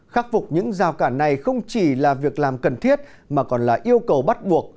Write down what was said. khắc phục những rào cản này không chỉ là việc làm cần thiết mà còn là yêu cầu bắt buộc